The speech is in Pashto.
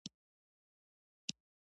آیا دا د کاناډا روحیه نه ده؟